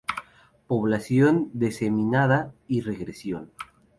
Población diseminada y en regresión.